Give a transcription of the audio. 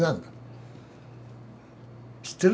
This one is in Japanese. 知ってる？